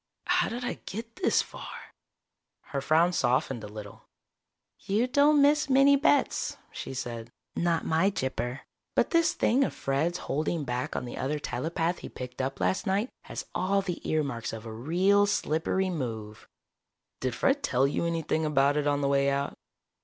How did I get this far?" Her frown softened a little. "You don't miss many bets," she said. "Not my Gypper. But this thing of Fred's holding back on the other telepath he picked up last night has all the earmarks of a real slippery move." "Did Fred tell you anything about it on the way out?"